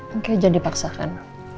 okay jangan dipaksakan